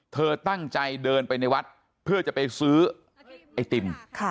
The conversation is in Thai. เธอตั้งใจเดินไปในวัดเพื่อจะไปซื้อไอติม